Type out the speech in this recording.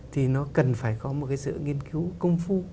thì nó cần phải có một cái sự nghiên cứu công phu